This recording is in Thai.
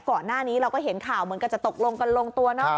ก่อนหน้านี้เราก็เห็นข่าวเหมือนกันจะตกลงกันลงตัวเนาะ